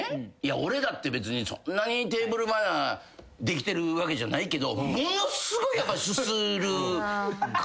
俺だって別にそんなにテーブルマナーできてるわけじゃないけどものすごいすするから。